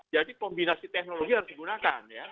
jadi kombinasi teknologi harus digunakan ya